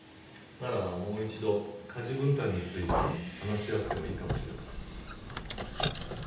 ならもう一度家事分担について話し合ってもいいかもしれません。